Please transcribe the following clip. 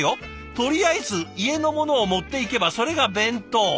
「とりあえず家のものを持っていけばそれが弁当」。